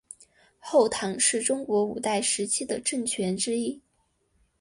后唐是中国五代时期的政权之一。